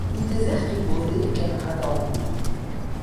Il déserte pour aider les camarades à Hambourg.